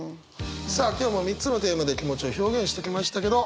さあ今日も３つのテーマで気持ちを表現してきましたけど。